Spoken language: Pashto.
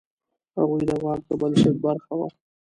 هغوی د واک د بنسټ برخه وه.